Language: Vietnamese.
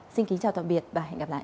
xin kính chào tạm biệt và hẹn gặp lại